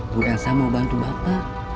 bu elsa mau bantu bapak